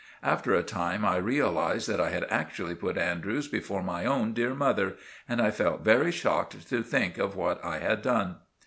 After a time I realized that I had actually put Andrews before my own dear mother, and I felt very shocked to think of what I had done.